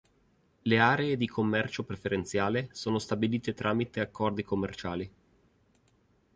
Le aree di commercio preferenziale sono stabilite tramite accordi commerciali.